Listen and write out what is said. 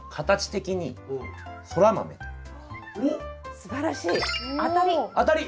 すばらしい。